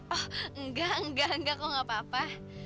oh enggak enggak enggak kok nggak apa apa